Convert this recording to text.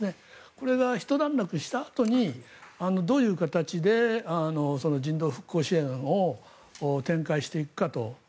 これがひと段落したあとにどういう形で人道復興支援を展開していくかと。